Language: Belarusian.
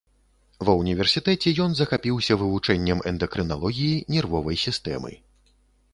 Ва ўніверсітэце ён захапіўся вывучэннем эндакрыналогіі, нервовай сістэмы.